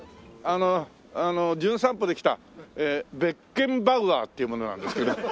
あの『じゅん散歩』で来たベッケンバウアーっていう者なんですけど。